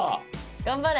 頑張れ！